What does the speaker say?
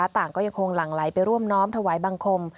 ต่างก็ยังคงหลั่งไหลไปร่วมน้อมถวายบังคม